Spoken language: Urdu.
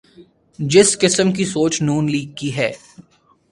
جس قسم کی سوچ ن لیگ کی ہے۔